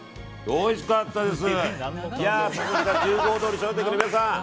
おいしかったです！